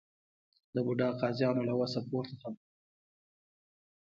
د بوډا قاضیانو له وسه پورته خبره ده.